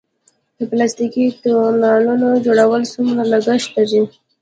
د پلاستیکي تونلونو جوړول څومره لګښت لري؟